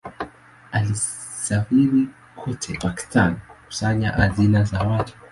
Alisafiri kote Pakistan kukusanya hazina za watu.